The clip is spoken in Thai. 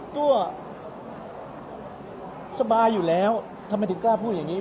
ตัวสบายอยู่แล้วทำไมถึงกล้าพูดอย่างนี้